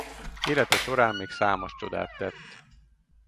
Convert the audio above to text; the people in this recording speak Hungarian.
Élete során még számos csodát tett.